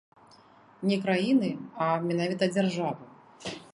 Не краіны, а менавіта дзяржавы.